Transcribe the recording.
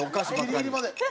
ギリギリまで。